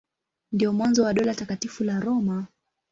Ndio mwanzo wa Dola Takatifu la Roma.